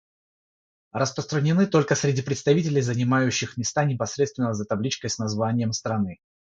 Бюллетени будут распространены только среди представителей, занимающих места непосредственно за табличкой с названием страны.